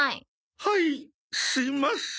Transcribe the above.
はいすみません。